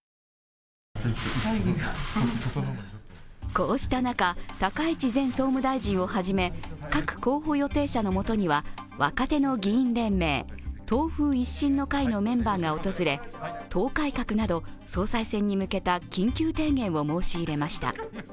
こうした中、高市前総務大臣をはじめて各候補予定者のもとには若手の議員連盟党風一新の会のメンバーが訪れ党改革など総裁選に向けた緊急提言を申し入れました。